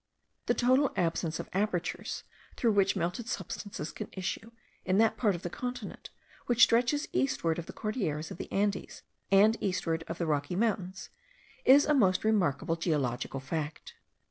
The total absence of apertures, through which melted substances can issue, in that part of the continent, which stretches eastward of the Cordillera of the Andes, and eastward of the Rocky Mountains, is a most remarkable geological fact.